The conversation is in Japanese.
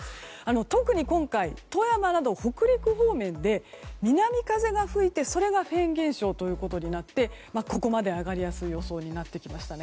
特に今回、富山など北陸方面で南風が吹いてそれがフェーン現象となってここまで上がりやすい予想になってきましたね。